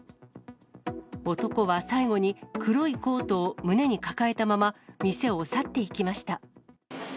男は最後に、黒いコートを胸に抱えたまま、店を去っていきました。